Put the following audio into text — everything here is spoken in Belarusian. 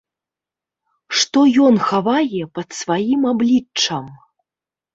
Што ён хавае пад сваім абліччам?